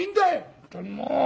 本当にもう。